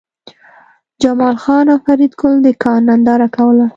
جمال خان او فریدګل د کان ننداره کوله